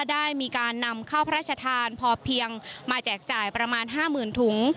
ได้มีการนำข้าวพระราชทานพอเพียงมาแจกจ่ายประมาณ๕๐๐๐ถุง